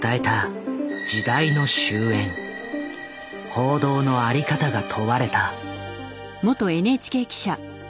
報道の在り方が問われた。